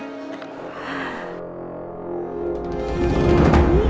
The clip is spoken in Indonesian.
kasih makan itu